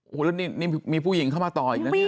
โอ้โหแล้วนี่มีผู้หญิงเข้ามาต่ออีกนะเนี่ย